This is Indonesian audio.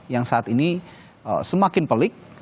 yang saat ini semakin pelik semakin melambat